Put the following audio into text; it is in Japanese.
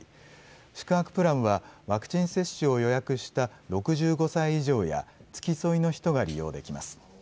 宿泊プランは、ワクチン接種を予約した６５歳以上や、付き添いの人が利用できます。